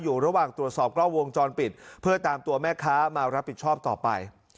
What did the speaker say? อยู่ระหว่างตรวจสอบกล้องวงจรปิดเพื่อตามตัวแม่ค้ามารับผิดชอบต่อไป